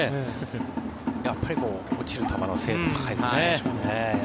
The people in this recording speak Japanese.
やっぱり落ちる球の精度が高いですね。